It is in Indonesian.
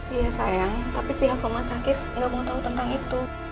ya sayang tapi pihak rumah sakit nggak mau tahu tentang itu